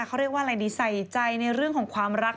เขาเรียกว่าอะไรดีใส่ใจในเรื่องของความรัก